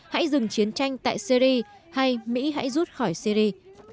hãy dừng chiến tranh tại syri hay mỹ hãy rút khỏi syri